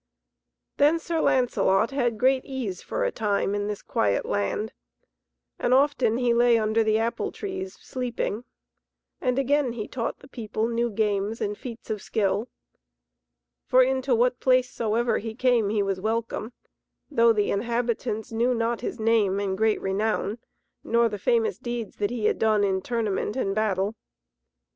Then Sir Lancelot had great ease for a time in this quiet land, and often he lay under the apple trees sleeping, and again he taught the people new games and feats of skill. For into what place soever he came he was welcome, though the inhabitants knew not his name and great renown, nor the famous deeds that he had done in tournament and battle.